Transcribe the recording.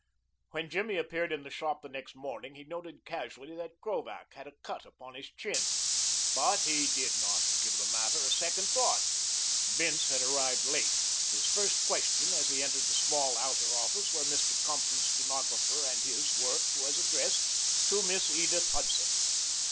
When Jimmy appeared in the shop the next morning he noted casually that Krovac had a cut upon his chin, but he did not give the matter a second thought. Bince had arrived late. His first question, as he entered the small outer office where Mr. Compton's stenographer and his worked, was addressed to Miss Edith Hudson.